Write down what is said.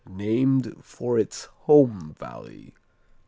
Named for its home valley.